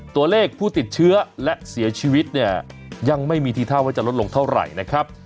ตัวเลขผู้ติดเชื้อและเสียชีวิตเนี่ยยังไม่มีทีท่าว่าจะลดลงเท่าไหร่นะครับ